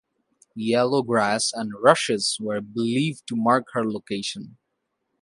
Yellow grass and rushes were believed to mark her location.